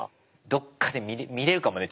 どっかで見れるかもね